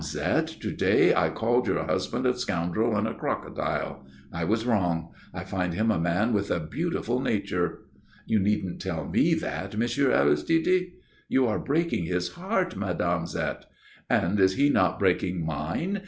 Zette, to day I called your husband a scoundrel and a crocodile. I was wrong. I find him a man with a beautiful nature." "You needn't tell me that, M. Aristide." "You are breaking his heart, Mme. Zette." "And is he not breaking mine?